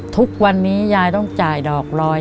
ทุกวันนี้ยายต้องจ่ายดอกลอย